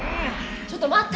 ちょっとまって。